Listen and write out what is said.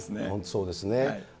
本当、そうですね。